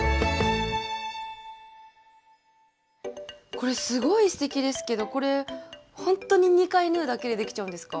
これすごいすてきですけどこれほんとに２回縫うだけでできちゃうんですか？